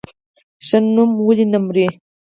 ښه نوم ولې نه مري؟